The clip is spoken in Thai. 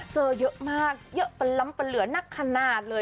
เจอเยอะมากเยอะปันล้ำปะเหลือนักขนาดเลย